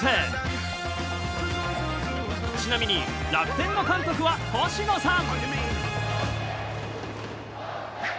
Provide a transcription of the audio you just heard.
ちなみに楽天の監督は星野さん。